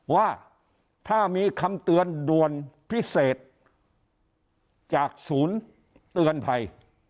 ว่าถ้ามีคำเตือนด่วนพิเศษจากศูนย์เตือนภัย